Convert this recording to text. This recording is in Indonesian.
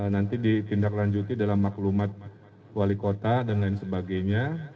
nanti ditindaklanjuti dalam maklumat wali kota dan lain sebagainya